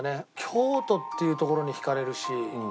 京都っていうところに引かれるし。